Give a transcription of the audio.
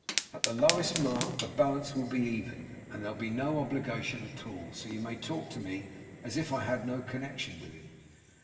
At the lowest mark, the balance will be even, and there'll be no obligation at all. So you may talk to me, as if I had no connection with him.